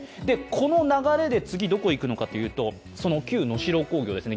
この流れで次、どこに行くのかというとその旧能代工業ですね